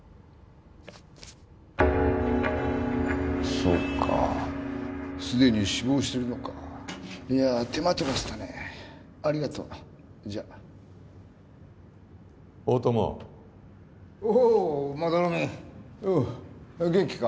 そうかすでに死亡してるのかいや手間取らせたねありがとうじゃ・大友おお斑目よう元気か？